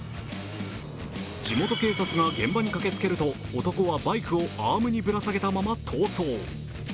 地元警察が現場に駆けつけると男はバイクをアームにぶら下げたまま逃走。